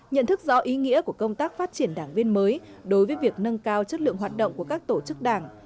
nhận thức rõ ý nghĩa của công tác phát triển đảng viên mới đối với việc nâng cao chất lượng hoạt động của các tổ chức đảng